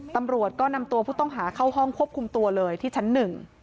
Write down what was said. ตำรวจก็นำตัวผู้ต้องหาเข้าห้องควบคุมตัวเลยที่ชั้นหนึ่ง